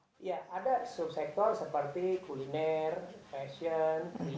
ya ada sub sektor seperti kuliner fashion